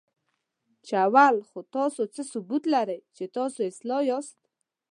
چې اول خو تاسو څه ثبوت لرئ، چې تاسو اصلاح یاست؟